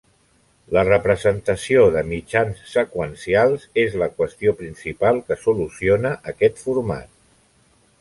La representació de mitjans seqüencials és la qüestió principal que soluciona aquest format.